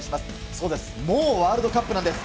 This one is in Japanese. そうなんです、もうワールドカップなんです。